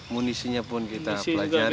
munisinya pun kita pelajari